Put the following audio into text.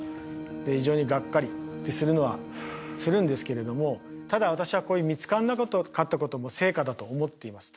非常にがっかりってするのはするんですけれどもただ私はこういう見つからなかったことも成果だと思っています。